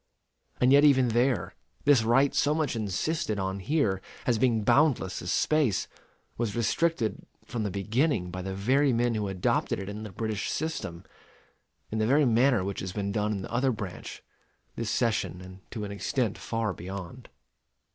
And yet even there, this right so much insisted on here as being boundless as space, was restricted from the beginning by the very men who adopted it in the British system, in the very manner which has been done in the other branch, this session; and to an extent far beyond.